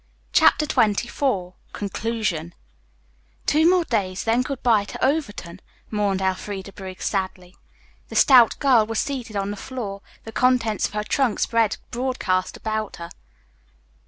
CHAPTER XXIV CONCLUSION "Two more days, then good bye to Overton," mourned Elfreda Briggs sadly. The stout girl was seated on the floor, the contents of her trunk spread broadcast about her.